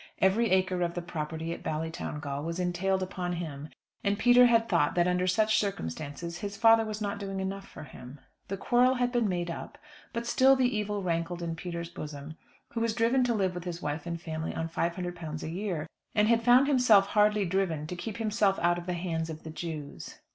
Every acre of the property at Ballytowngal was entailed upon him, and Peter had thought that under such circumstances his father was not doing enough for him. The quarrel had been made up, but still the evil rankled in Peter's bosom, who was driven to live with his wife and family on £500 a year; and had found himself hardly driven to keep himself out of the hands of the Jews.